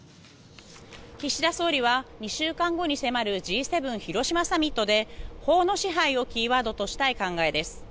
岸田総理は２週間後に迫るＧ７広島サミットで法の支配をキーワードとしたい考えです。